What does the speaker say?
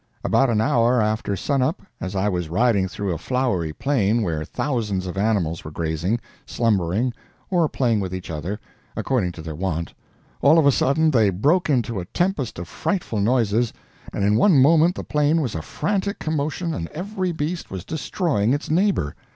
About an hour after sun up, as I was riding through a flowery plain where thousands of animals were grazing, slumbering, or playing with each other, according to their wont, all of a sudden they broke into a tempest of frightful noises, and in one moment the plain was a frantic commotion and every beast was destroying its neighbor.